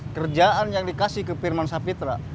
kerjaan yang dikasih ke firman sapitra